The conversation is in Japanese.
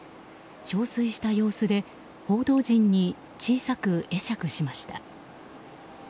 憔悴した様子で報道陣に小さく会釈しました。